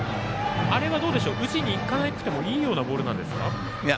打ちにいかなくてもいいようなボールなんですか？